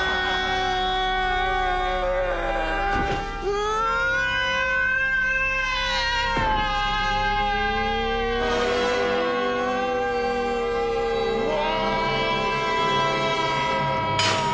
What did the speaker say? うわ！